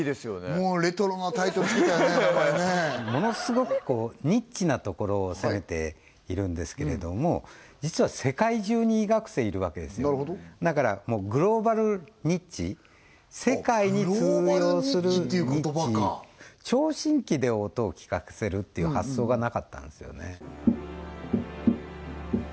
ものすごくニッチなところを攻めているんですけれども実は世界中に医学生いるわけですよだからもうグローバルニッチ世界に通用するニッチ聴診器で音を聴かせるという発想がなかったんですよね